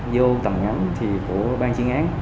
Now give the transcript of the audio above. vô tầm ngắm thì của ban chuyên án